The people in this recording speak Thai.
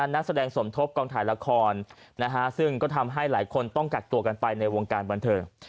นักแสดงสมทบกองถ่ายละครซึ่งก็ทำให้หลายคนต้องกักตัวกันไปในวงการบันเทิง